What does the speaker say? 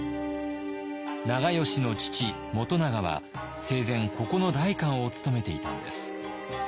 長慶の父元長は生前ここの代官を務めていたんです。